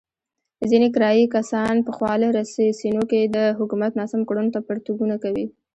ځنې کرايي کسان په خواله رسينو کې د حکومت ناسمو کړنو ته پرتوګونه کوي.